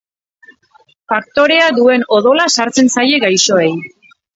Faktorea duen odola sartzen zaie gaixoei.